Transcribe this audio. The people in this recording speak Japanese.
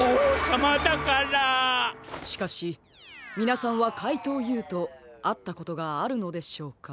しかしみなさんはかいとうＵとあったことがあるのでしょうか？